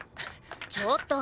ちょっと！